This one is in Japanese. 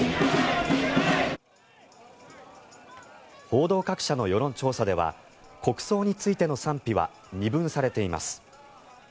報道各社の世論調査では国葬についての賛否は二分されています。